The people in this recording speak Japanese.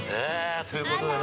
ということでね